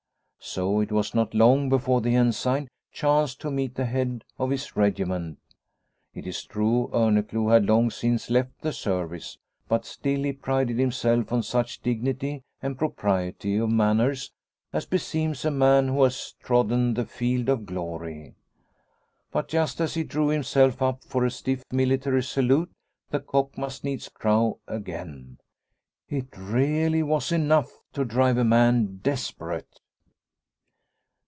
So it was not long before the Ensign chanced to meet the head of his regiment. It is true, Orneclou had long since left the service, but still he prided himself on such dignity and propriety of manner as beseems a man who has trodden the field of glory. But just as he drew himself up for a stiff military salute the cock must needs crow again. It really was enough to drive a man desperate